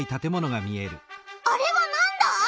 あれはなんだ？